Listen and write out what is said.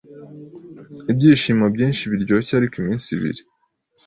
Ibyishimo byinshi biryoshye ariko iminsi ibiri